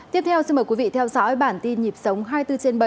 tiếp theo xin mời quý vị theo dõi bản tin nhịp sống hai mươi bốn trên bảy